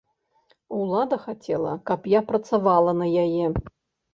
Улада хацела, каб я працавала на яе.